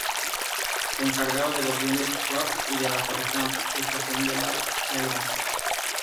Se encargaba de los bienes waqf y de la correcta aplicación de la sharia.